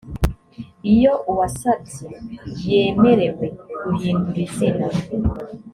iyo uwasabye yemerewe guhindura izina